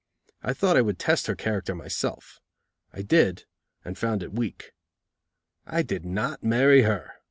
I thought I would test her character myself. I did, and found it weak. I did not marry her!